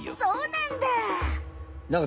そうなんだ！